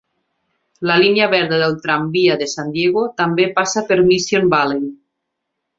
La línia verda del tramvia de San Diego també passa per Mission Valley.